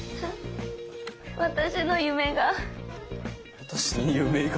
私の夢が。